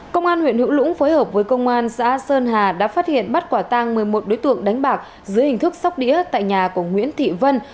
công an huyện hữu lũng phối hợp với công an xã sơn hà đã phát hiện bắt quả tang một mươi một đối tượng đánh bạc dưới hình thức sóc đĩa tại nhà của nguyễn thị vân